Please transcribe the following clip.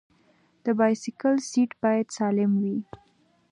د بایسکل سیټ باید سالم وي.